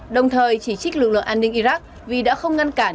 đồng thời chỉ trích lực lượng an ninh iraq vì đã không ngăn cản